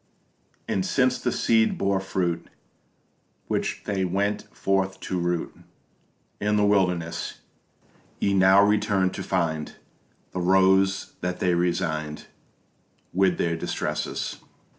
And since the seed bore fruit, Which they went forth to root In the wildernesses, Ye now return to find The Rose that they resigned With their distresses.